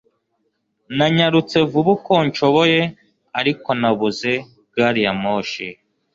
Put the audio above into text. Nanyarutse vuba uko nshoboye ariko nabuze gari ya moshi